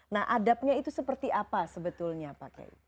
nah adabnya itu seperti apa sebetulnya pak kiai